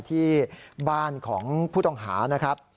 ที่บ้านของผู้ต้องหานะครับ